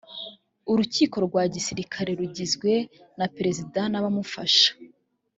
urukiko rwa gisirikare rugizwe na perezida n’abamufasha